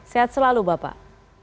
sehat selalu bapak